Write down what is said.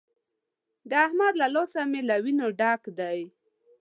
د احمد له لاسه مې له وينو ډک دی.